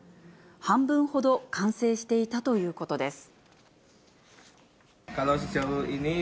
半分ほど完成していたということです。